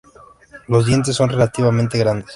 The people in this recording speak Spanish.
Los dientes son relativamente grandes.